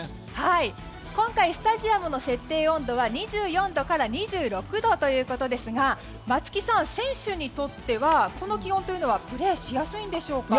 今回、スタジアムの設定温度は２４度から２６度ということですが松木さん、選手にとってはこの気温というのはプレーしやすいんでしょうか。